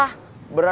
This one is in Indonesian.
ternyata di terminal